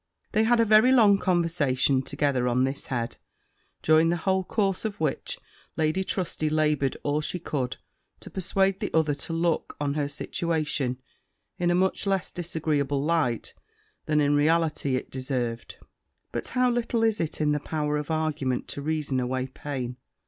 They had a very long conversation together on this head; during the whole course of which Lady Trusty laboured all she could to persuade the other to look on her situation in a much less disagreeable light then, in reality, it deserved. But how little is it in the power of argument, to reason away pain!